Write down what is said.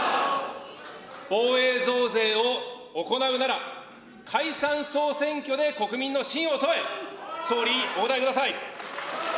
防衛増税を行うなら、解散・総選挙で国民の信を問え、総理、お答えください。